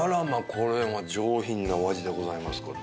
これは上品なお味でございますこと。